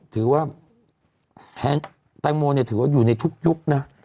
ถือว่าแตงโมเนี่ยถือว่าอยู่ในทุกยุคนะ